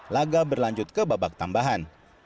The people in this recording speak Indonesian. laga berlanjut ke babak tambahan